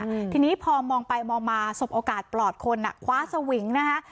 อืมทีนี้พอมองไปมองมาสบโอกาสปลอดคนอ่ะคว้าสวิงนะคะ